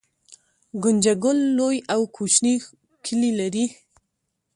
ګنجګل لوی او کوچني کلي لري